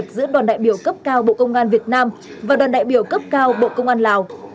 giữa đoàn đại biểu cấp cao bộ công an việt nam và đoàn đại biểu cấp cao bộ công an lào